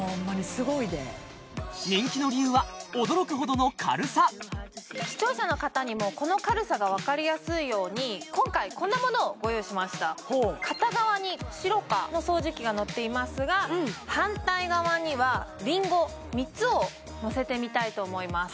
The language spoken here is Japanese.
すごいで人気の理由は驚くほどの軽さ視聴者の方にもこの軽さがわかりやすいように今回こんなものをご用意しました片側にシロカの掃除機がのっていますが反対側にはりんご３つをのせてみたいと思います